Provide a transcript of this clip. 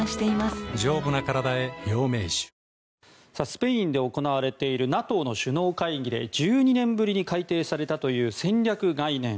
スペインで行われているＮＡＴＯの首脳会議で１２年ぶりに改訂されたという戦略概念。